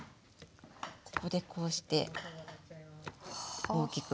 ここでこうして大きく。